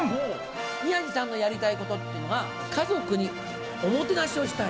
宮治さんのやりたいことっていうのは、家族におもてなしをしたい。